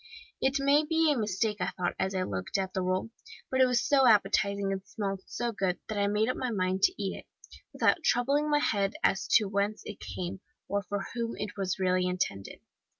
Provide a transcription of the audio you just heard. It may be a mistake, thought I, as I looked at the roll, but it was so appetizing and smelt so good, that I made up my mind to eat it, without troubling my head as to whence it came, or for whom it was really intended.